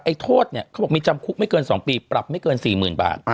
โทษเนี่ยเขาบอกมีจำคุกไม่เกิน๒ปีปรับไม่เกิน๔๐๐๐บาท